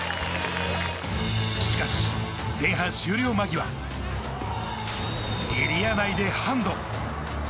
しかし、前半終了間際、エリア内でハンド。